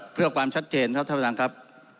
เพื่อความชัดเจนครับท่านประธานครับ